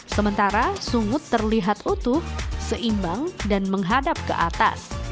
sementara sungut terlihat utuh seimbang dan menghadap ke atas